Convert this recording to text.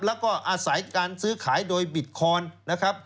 แล้วก็อาศัยการซื้อขายโดยบิตคอนนะครับ